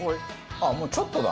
もうちょっとだ。